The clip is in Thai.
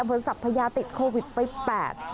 เป็นศัพทายาติดโควิด๘